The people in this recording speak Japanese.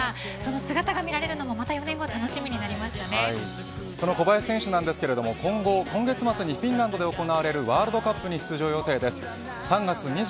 その姿が見られるのもまたその小林選手ですが今後、フィンランドで行われるワールドカップに出場予定です。